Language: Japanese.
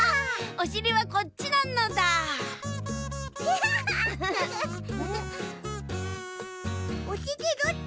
おしりどっち？